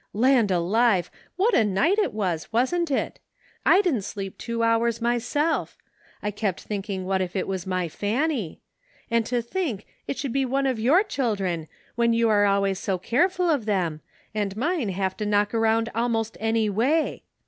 Land alive! what a night it was, wasn't it? I didn't sleep two hours myself ; I kept thinking what if it was my Fanny ! And to think it should be one of your cliildren, when you are always so careful of them, and mine have to knock around almost any way.